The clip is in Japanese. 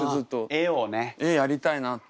絵やりたいなって。